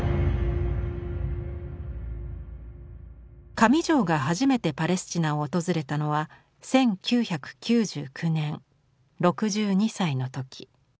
上條が初めてパレスチナを訪れたのは１９９９年６２歳のとき。